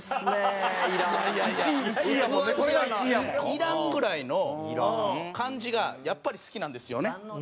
「いらん」ぐらいの感じがやっぱり好きなんですよね。